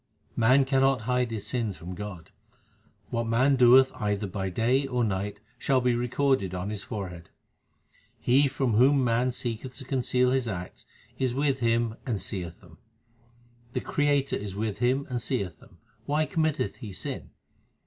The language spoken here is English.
Man cannot hide his sins from God : What man doeth either by day or night shall be recorded on his forehead. He from whom man seeketh to conceal his acts is with him and seeth them : The Creator is with him and seeth them ; why com mitteth he sin